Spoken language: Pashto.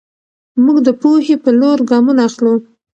موږ د پوهې په لور ګامونه اخلو.